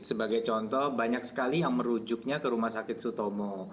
sebagai contoh banyak sekali yang merujuknya ke rumah sakit sutomo